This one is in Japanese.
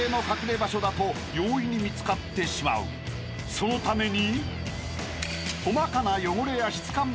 ［そのために］